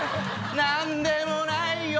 なんでもないよ